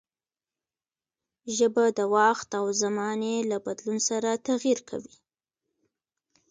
ژبه د وخت او زمانې له بدلون سره تغير کوي.